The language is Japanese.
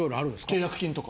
契約金とか。